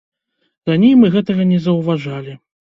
Раней мы гэтага не заўважалі.